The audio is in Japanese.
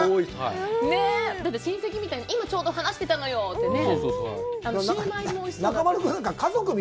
だって、親戚みたいに、“今、ちょうど話してたのよ”ってね。